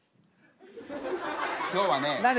今日はね